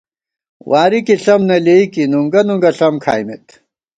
واری کی ݪم نہ لېئیکی نُنگہ نُنگہ ݪم کھائیمېت